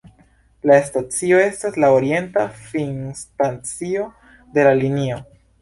La stacio estas la orienta finstacio de la linio.